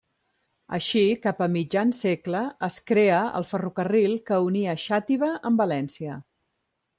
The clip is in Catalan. Així cap a mitjan segle es crea el ferrocarril que unia Xàtiva amb València.